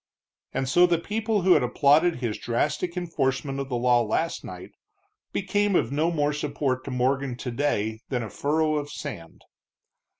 And so the people who had applauded his drastic enforcement of the law last night, became of no more support to Morgan today than a furrow of sand.